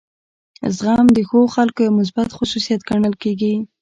زغم د ښو خلکو یو مثبت خصوصیت ګڼل کیږي.